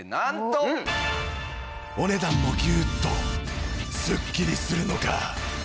お値段もギューッとすっきりするのか！？